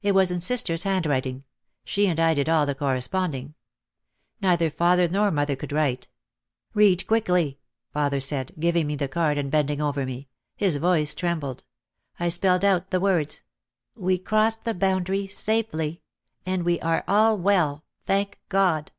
It was in sister's handwriting. She and I did all the corresponding. Neither father nor mother could write. "Read quickly," father said, giving me the card and bending over me. His voice trembled. I spelled out the words: "We crossed the boundary safely — and we are all well, thank God."